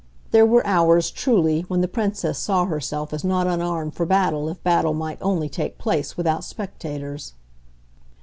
There were hours, truly, when the Princess saw herself as not unarmed for battle if battle might only take place without spectators.